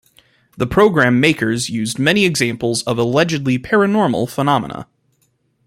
The programme makers used many examples of allegedly paranormal phenomena.